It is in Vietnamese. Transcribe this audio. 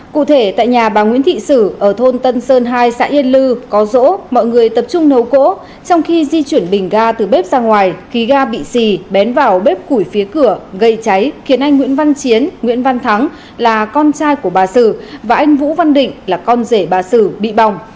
cụ thể tại nhà bà nguyễn thị sử ở thôn tân sơn hai xã yên lư có rỗ mọi người tập trung nấu cỗ trong khi di chuyển bình ga từ bếp ra ngoài khí ga bị xì bén vào bếp củi phía cửa gây cháy khiến anh nguyễn văn chiến nguyễn văn thắng là con trai của bà sử và anh vũ văn định là con rể bà sử bị bỏng